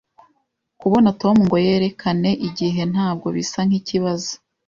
Kubona Tom ngo yerekane igihe ntabwo bisa nkikibazo.